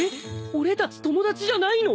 俺たち友達じゃないの？